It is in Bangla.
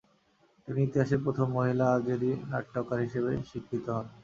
তিনি ইতিহাসের প্রথম মহিলা আজেরি নাট্যকার হিসাবে স্বীকৃত হন।